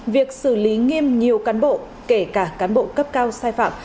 việc xử lý nghiêm nhiều cán bộ kể cả cán bộ cấp cao sai phạm